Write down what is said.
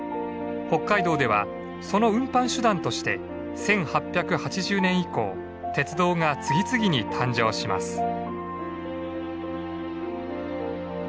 北海道ではその運搬手段として１８８０年以降鉄道が次々に誕生します。